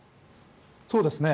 そうですね。